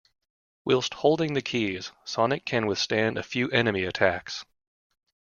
Whilst holding the keys, Sonic can withstand a few enemy attacks.